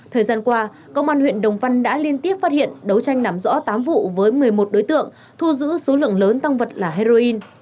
thời gian qua công an huyện đồng văn đã liên tiếp phát hiện đấu tranh làm rõ tám vụ với một mươi một đối tượng thu giữ số lượng lớn tăng vật là heroin